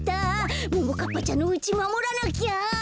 ももかっぱちゃんのうちまもらなきゃ！